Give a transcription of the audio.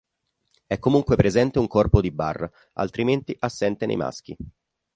È comunque presente un corpo di Barr, altrimenti assente nei maschi.